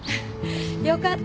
よかった